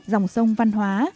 dòng sông văn hóa